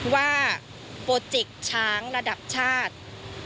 ว่าโปรเจกต์ช้างระดับชาติ